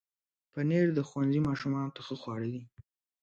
پنېر د ښوونځي ماشومانو ته ښه خواړه دي.